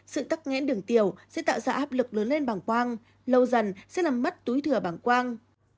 sự tắc nghẽn đường tiểu sẽ tạo ra áp lực lớn lên bảng quang lâu dần sẽ làm mất túi thừa bằng quang